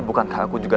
jadi tidak mungkin